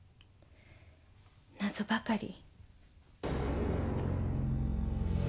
謎ばかり。